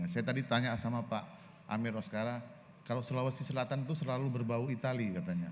saya tadi tanya sama pak amir oskara kalau sulawesi selatan itu selalu berbau itali katanya